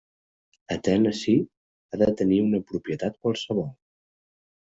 A Tennessee, ha de tenir una propietat qualsevol.